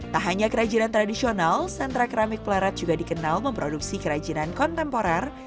tak hanya kerajinan tradisional sentra keramik plerat juga dikenal memproduksi kerajinan kontemporer